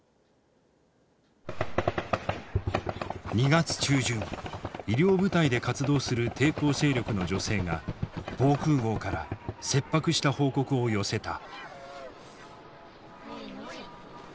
２月中旬医療部隊で活動する抵抗勢力の女性が防空壕から切迫した報告を寄せた。